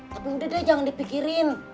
tapi udah deh jangan dipikirin